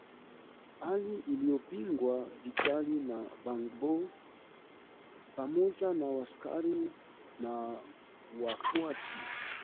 hali iliyopingwa vikali na bagbo pamoja na askari na wafuasi